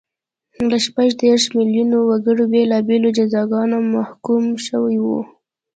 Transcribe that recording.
له شپږ دېرش میلیونه وګړي بېلابېلو جزاګانو محکوم شوي وو